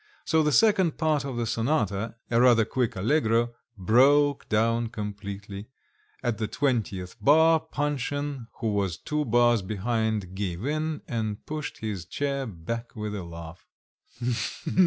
So the second part of the sonata a rather quick allegro broke down completely; at the twentieth bar, Panshin, who was two bars behind, gave in, and pushed his chair back with a laugh.